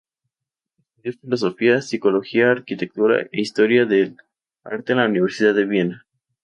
Estudió filosofía, psicología, arquitectura e historia del arte en la Universidad de Viena.